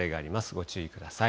ご注意ください。